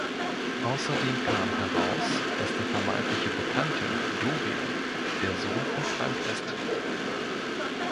Außerdem kam heraus, dass der vermeintliche Bekannte Dorian der Sohn von Frank ist.